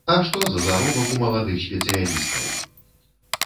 А што за заробак у маладых спецыялістаў!